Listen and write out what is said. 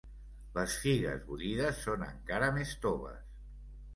Les figues bullides són encara més toves.